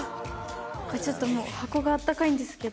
これちょっともう箱があったかいんですけど。